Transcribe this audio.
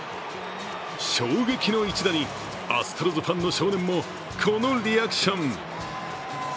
衝撃の一打に、アストロズファンの少年もこのリアクション。